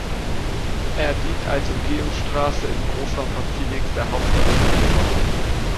Er dient als Umgehungsstraße im Großraum von Phoenix, der Hauptstadt von Arizona.